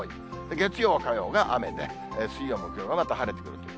月曜、火曜が雨で、水曜、木曜がまた晴れてくると。